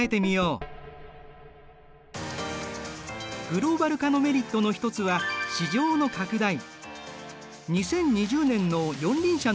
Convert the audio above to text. グローバル化のメリットの一つは市場の拡大。